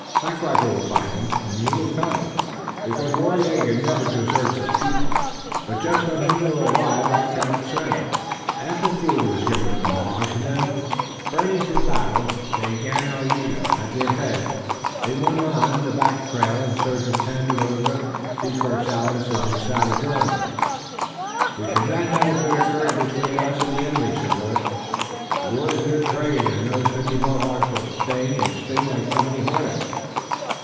Black Rifle will find him and he will come, because Waraiyageh never deserts his people, but just when he will arrive I cannot say." Ample food was given to the Mohawks and then, burning for battle, Daganoweda at their head, they went on the back trail in search of Tandakora, De Courcelles and their savage army. "We could not have a better curtain between us and the enemy," said Willet. "War is their trade and those fifty Mohawks will sting and sting like so many hornets."